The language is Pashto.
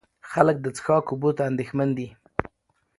خلک د څښاک اوبو ته اندېښمن دي.